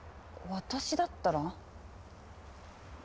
私だったら？